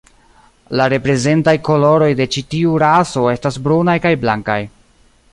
La reprezentaj koloroj de ĉi tiu raso estas brunaj kaj blankaj.